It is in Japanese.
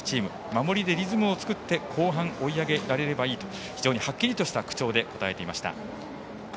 守りでリズムを作って後半、追い上げられればいいとはっきりとした口調で答えていました。